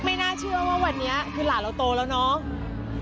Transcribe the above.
น่าเชื่อว่าวันนี้คือหลานเราโตแล้วเนาะ